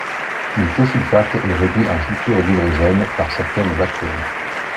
Le thiosulfate est réduit en sulfures d’hydrogènes par certaines bactéries.